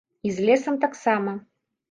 І з лесам таксама.